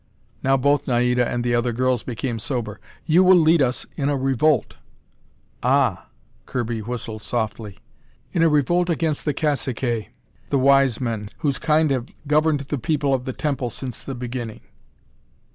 Now both Naida and the other girls became sober. "You will lead us in a revolt." "Ah!" Kirby whistled softly. "In a revolt against the caciques the wise men whose kind have governed the People of the Temple since the beginning."